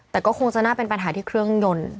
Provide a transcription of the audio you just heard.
แต่ก็คงจะน่าเป็นปัญหาที่เครื่องยนต์